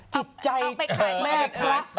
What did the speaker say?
จิตใจแม่พระ